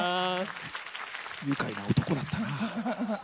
愉快な男だったな。